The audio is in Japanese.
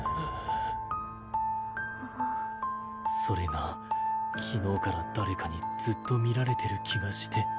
それが昨日から誰かにずっと見られてる気がして。